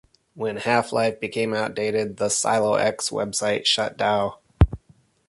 When "Half-Life" became outdated the "Silo X" website shut dow.